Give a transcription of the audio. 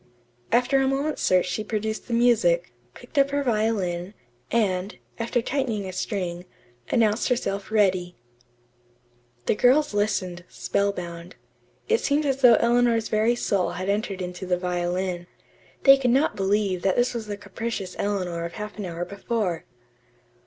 After a moment's search she produced the music, picked up her violin, and, after tightening a string, announced herself ready. The girls listened, spellbound. It seemed as though Eleanor's very soul had entered into the violin. They could not believe that this was the capricious Eleanor of half an hour before.